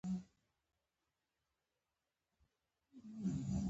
استاد تل بدلون ته کار کوي.